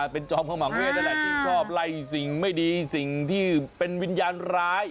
เป็นจอมขมังเวทนั่นแหละที่ชอบไล่สิ่งไม่ดีสิ่งที่เป็นวิญญาณร้าย